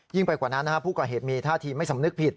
ไปกว่านั้นผู้ก่อเหตุมีท่าทีไม่สำนึกผิด